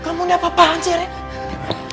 kamu udah apa apaan sih rin